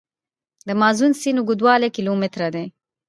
د مازون سیند اوږدوالی کیلومتره دی.